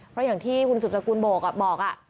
เพราะอย่างที่คุณสุจรกูลโบกบอก